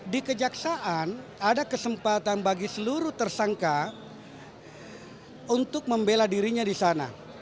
di kejaksaan ada kesempatan bagi seluruh tersangka untuk membela dirinya di sana